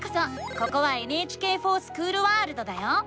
ここは「ＮＨＫｆｏｒＳｃｈｏｏｌワールド」だよ！